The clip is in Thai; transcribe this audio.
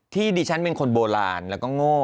ดิฉันเป็นคนโบราณแล้วก็โง่